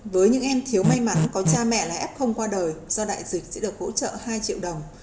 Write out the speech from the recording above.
với những em thiếu may mắn có cha mẹ là f không qua đời do đại dịch sẽ được hỗ trợ hai triệu đồng